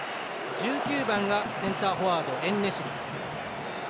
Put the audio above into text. １９番がセンターフォワードエンネシリ。